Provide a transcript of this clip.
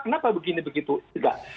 kenapa begini begitu tidak